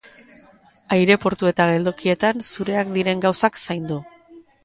Aireportu eta geltokietan zureak diren gauzak zaindu.